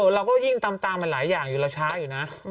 เราก็ยิ่งตามมันหลายอย่างอยู่เราช้าอยู่นะ